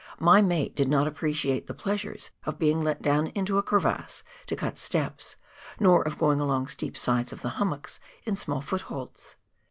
My mate did not appreciate the pleasures of being let down into a crevasse to cut steps, nor of going along steep sides of the hummocks in small footholds.